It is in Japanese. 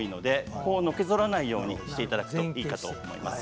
のけぞらないようにしていただくといいかと思います。